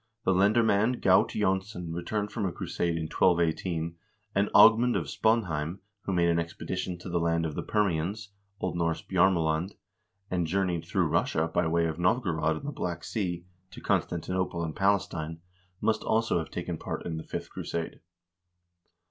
The lendermand Gaut Jonsson returned from a crusade in 1218, and Agmund of Spaanheim, who made an expedition to the land of the Permians (0. N. Bjarmeland) and journeyed through Russia by way of Novgorod and the Black Sea, to Constantinople and Pales tine, must also have taken part in the fifth crusade.